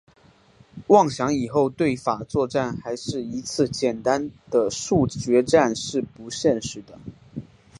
妄想以后对法作战还是一次简单的速决战是不现实的。